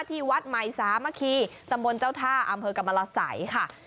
ที่วัดใหม่สามัคคีตำบลเจ้าท่าอำเภอกรรมรสัยค่ะ